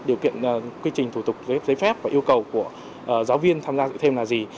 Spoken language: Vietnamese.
điều kiện quy trình thủ tục giấy phép và yêu cầu của giáo viên tham gia dự thi là gì